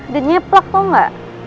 dan nyeplak tau ga